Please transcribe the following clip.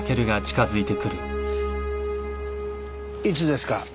いつですか？